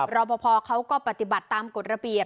รอปภเขาก็ปฏิบัติตามกฎระเบียบ